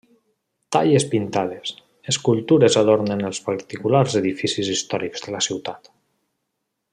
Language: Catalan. Talles pintades, escultures adornen els particulars edificis històrics de la ciutat.